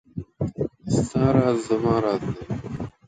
ستا راز زما راز دی .